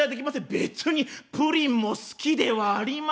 別にプリンも好きではありません」。